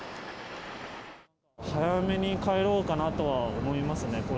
早めに帰ろうかなとは思いますね。